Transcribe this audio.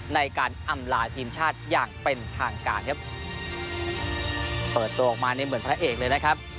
ในการอำลาทีมชาติอย่างเป็นทางการครับเปิดตัวออกมาเนี่ยเหมือนพระเอกเลยนะครับ